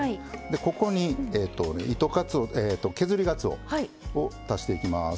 ここに、削りがつおを足していきます。